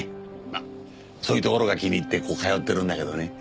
まあそういうところが気に入ってここ通ってるんだけどね。